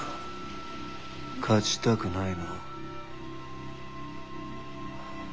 勝ちたくないの？